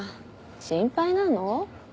心配なの？